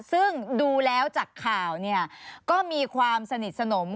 ซึ่งดูแล้วจากข่าวเนี่ยก็มีความสนิทสนม